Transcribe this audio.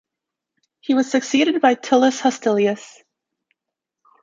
He was succeeded by Tullus Hostilius.